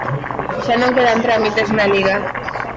Xa non quedan trámites na Liga.